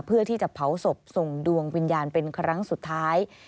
เพื่อที่จะเผาศพส่งดวงวิญญาณเป็นครั้งสุดท้าย